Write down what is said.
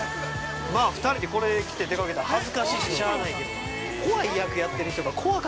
◆２人でこれ着て出かけたら恥ずかしいて、しゃあないけどな。